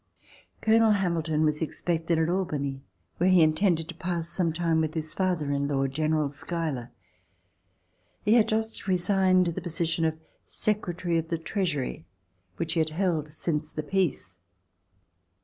Colonel Hamilton was expected at Al bany where he Intended to pass some time with his father in law. General Schuyler. He had just resigned the position of Secretary of the Treasury, which he had held since the peace.